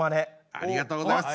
ありがとうございます。